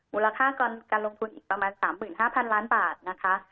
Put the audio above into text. มูลค่าการลงทุนอีกประมาณ๓๕๐๐๐ล้านบาทนะคะ